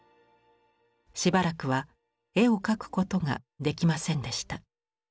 しばらくは絵を描くことができませんでした。